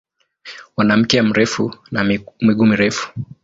Wana mkia mrefu na miguu mirefu.